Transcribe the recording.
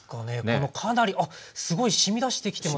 このかなりあっすごいしみ出してきてます。